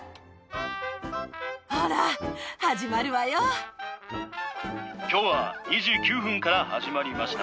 ほら、きょうは２時９分から始まりました。